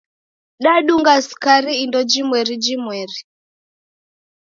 Nadunga sukari indo jimweri jimweri.